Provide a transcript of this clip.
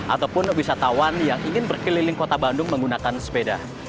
ataupun wisatawan yang ingin berkeliling kota bandung menggunakan sepeda